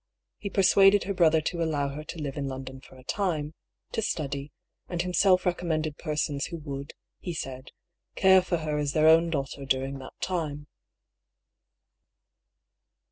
He persuaded her brother to allow her to live in London for a time, to study, and himself recommended persons who would, he said, care for her as their own daughter during that time.